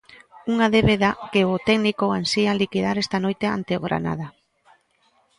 Unha débeda que o técnico ansía liquidar esta noite ante o Granada.